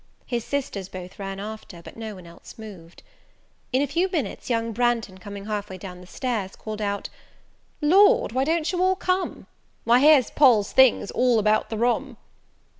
His sisters both ran after, but no one else moved. In a few minutes young Branghton, coming half way down stairs, called out, "Lord, why don't you all come? why, here's Poll's things all about the room!"